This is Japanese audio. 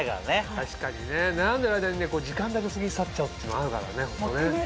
確かにね悩んでる間に時間だけ過ぎ去っちゃうっていうのあるからねホントね。